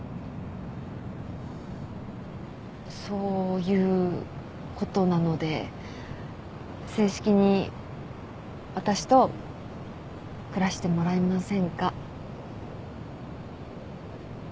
そういうことなので正式に私と暮らしてもらえませんか？